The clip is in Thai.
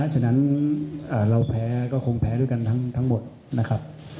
ฉะนั้นเราแพ้ก็คงแพ้ด้วยกันทั้งหมดนะครับ